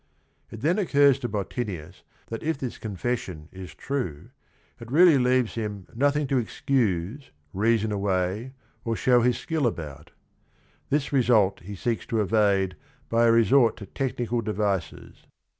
It then occurs to Bottinius that if this confession is true it really leaves him "nothing to excuse, reason away, or show his skill about." This result he seeks to evade by a resort to technical devices.